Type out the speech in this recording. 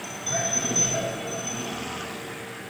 হঠাৎ চমকিয়া উঠিয়া তাহার মুখ পাণ্ডুবর্ণ হইয়া উঠিল।